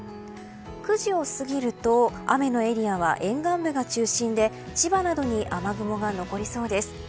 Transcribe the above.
９時を過ぎると雨のエリアは沿岸部が中心で千葉などに雨雲が残りそうです。